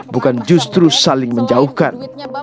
bukan justru saling menjauhkan